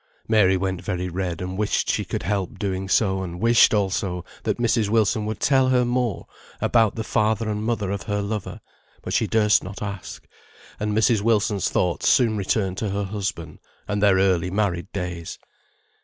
Mary went very red, and wished she could help doing so, and wished also that Mrs. Wilson would tell her more about the father and mother of her lover; but she durst not ask, and Mrs. Wilson's thoughts soon returned to her husband, and their early married days.